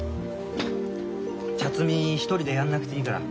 茶摘み一人でやんなくていいから。